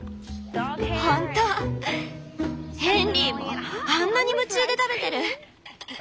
ヘンリーもあんなに夢中で食べてる。